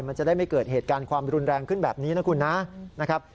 มันจะได้ไม่เกิดเหตุการณ์ความรุนแรงขึ้นแบบนี้นะคุณนะนะครับ